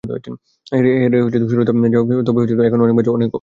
হেরে শুরু করতে হওয়াটা কঠিন, তবে এখনও অনেক ম্যাচ, অনেক ক্রিকেট বাকি।